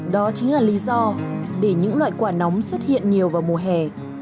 đó chính là lý do để những loại quả nóng xuất hiện nhiều vào mùa hè